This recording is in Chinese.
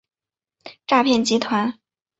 诈骗集团